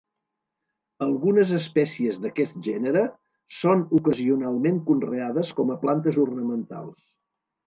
Algunes espècies d'aquest gènere són ocasionalment conreades com a plantes ornamentals.